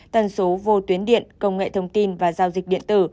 tần số vô tuyến điện công nghệ thông tin và giao dịch điện tử